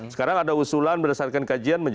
sekarang ada usulan berdasarkan kajian